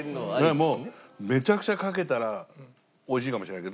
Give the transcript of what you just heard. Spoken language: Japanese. もうめちゃくちゃかけたら美味しいかもしれない。